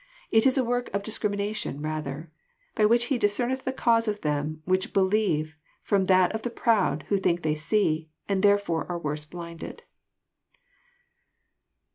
It is a work of diserimisyition rather, by which He discerneth the cause of them whicn believe from that of the proud who think they see, and therefore are worse blinded."